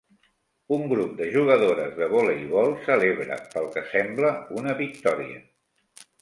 Un grup de jugadores de voleibol celebra, pel que sembla, una victòria.